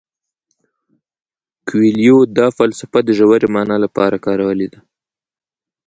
کویلیو دا فلسفه د ژورې مانا لپاره کارولې ده.